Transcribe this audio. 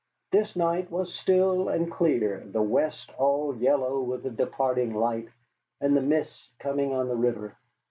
This night was still and clear, the west all yellow with the departing light, and the mists coming on the river.